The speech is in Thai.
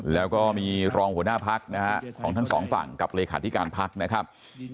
แล้วก็มีรองหัวหน้าพักนะฮะของทั้งสองฝั่งกับเลขาธิการพักนะครับ